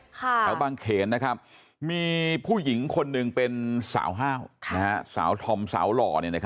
เฉพาะบางเขนนะครับมีผู้หญิงคนหนึ่งเป็นสาวฮ่าวสาวธอมสาวหล่อ